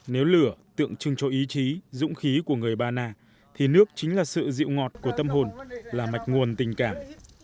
nếu lửa tượng trưng cho ý chí dũng khí của người ba na thì nước chính là sự dịu ngọt của tâm hồn là mạch nguồn tình cảm